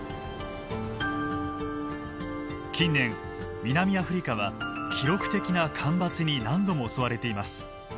近年南アフリカは記録的な干ばつに何度も襲われています。